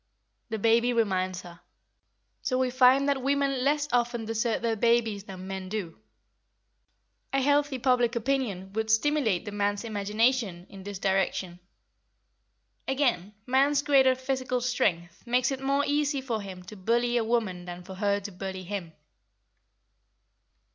The baby reminds her. So we find that women less often desert their babies than men do. A healthy public opinion would stimulate the man's imagination in this direction. Again, man's greater physical strength makes it more easy for him to bully a woman than for her to bully him.